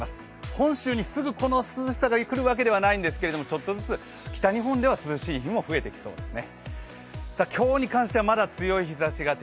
本州にすぐこの涼しさが来るわけではないんですけどちょっとずつ北日本では涼しい日も増えてきそうですね。